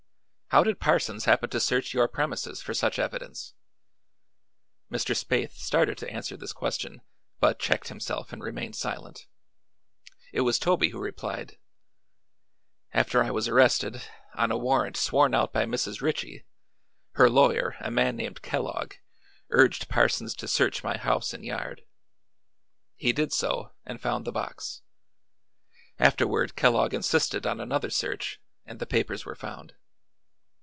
"How did Parsons happen to search your premises for such evidence?" Mr. Spaythe started to answer this question, but checked himself and remained silent. It was Toby who replied: "After I was arrested, on a warrant sworn out by Mrs. Ritchie, her lawyer, a man named Kellogg, urged Parsons to search my house and yard. He did so, and found the box. Afterward Kellogg insisted on another search, and the papers were found."